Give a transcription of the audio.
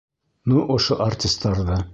Ну, ошо артистарҙы!